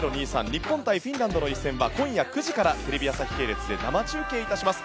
日本対フィンランドの一戦は今夜９時からテレビ朝日系列で生中継いたします。